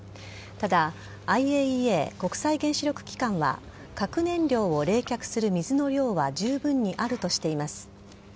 ただＩＡＥＡ＝国際原子力機関は核燃料を冷却する水の量はじゅうぶんにあるとしています。